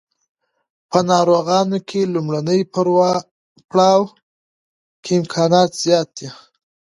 په ناروغانو کې لومړني پړاو کې امکانات زیات دي.